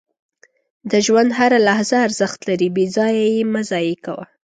• د ژوند هره لحظه ارزښت لري، بې ځایه یې مه ضایع کوه.